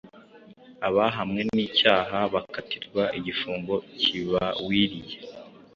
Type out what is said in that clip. Abahamwe n’icyaha bakatirwa igifungo kibawiriye